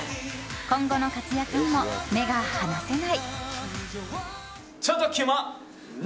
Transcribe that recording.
今後の活躍にも目が離せない。